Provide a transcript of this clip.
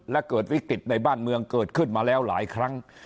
และเกิดวิกฤตในบ้านเมืองเกิดขึ้นมาแล้วหลายครั้ง